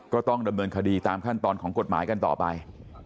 ก็ต้องดำเนินคดีตามขั้นตอนของกฎหมายกันต่อไป